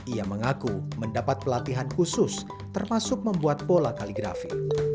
ia mengaku mendapat pelatihan khusus termasuk membuat pola kaligrafi